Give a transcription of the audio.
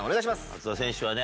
松田選手はね